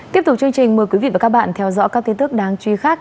tiếp tục chương trình mời quý vị và các bạn theo dõi các tin tức đáng truy khác